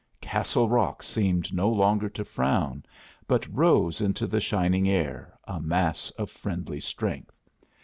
Castle Rock seemed no longer to frown, but rose into the shining air, a mass of friendly strength.